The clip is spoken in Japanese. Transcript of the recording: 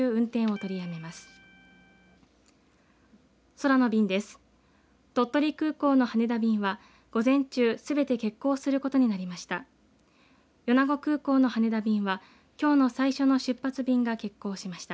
鳥取空港の羽田便は午前中すべて欠航することになりました。